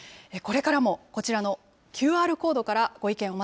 これからも、こちらのＱＲコードからご意見